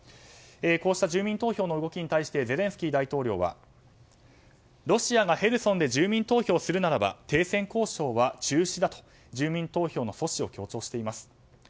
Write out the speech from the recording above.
こうした住民投票の動きに対してゼレンスキー大統領はロシアがヘルソンで住民投票するならば停戦交渉は中止だと住民投票の阻止を強調しています。